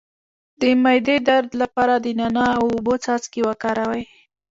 د معدې د درد لپاره د نعناع او اوبو څاڅکي وکاروئ